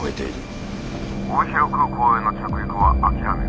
「帯広空港への着陸は諦める。